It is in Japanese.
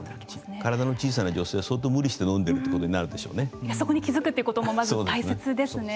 体の小さな女性は相当無理して飲んでいるそこに気付くということも大切ですね。